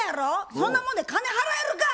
そんなもんで金払えるか。